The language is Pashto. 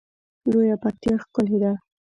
لویه پکتیا ښکلی ده